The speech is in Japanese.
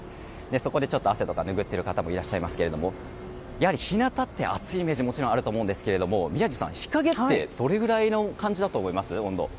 そこで汗とか拭っている方もいますが日なたって暑いイメージがもちろんあると思うんですけど宮司さん、日蔭ってどれぐらいの感じだと思いますか温度。